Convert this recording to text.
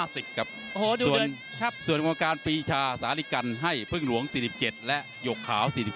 ส่วนวงการปีชาสาลิกันให้พึ่งหลวง๔๗และหยกขาว๔๗